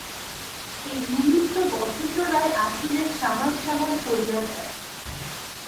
এই নিমিত্ত বসন্ত রায় আসিলে সামাল সামাল পড়িয়া যায়।